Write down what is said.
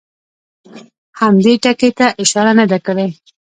هم دې ټکي ته اشاره نه ده کړې.